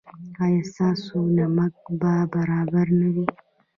ایا ستاسو نمک به برابر نه وي؟